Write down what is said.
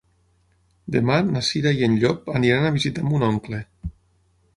Demà na Cira i en Llop aniran a visitar mon oncle.